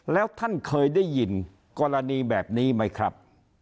แล้วท่านเคยได้ยินกรณีแบบนี้ไหมครับ